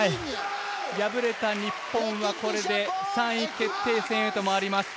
敗れた日本はこれで、３位決定戦へと回ります。